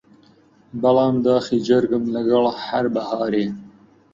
بەڵام داخی جەرگم لەگەڵ هەر بەهارێ